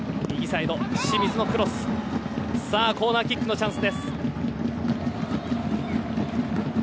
さあ、コーナーキックのチャンス。